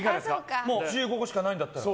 もう１５個しかないんだったら。